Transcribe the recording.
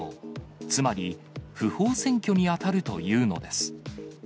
つまり、不法占拠に当たるというのです。